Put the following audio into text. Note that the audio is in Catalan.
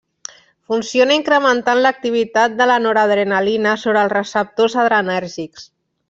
Funciona incrementant l'activitat de la noradrenalina sobre els receptors adrenèrgics.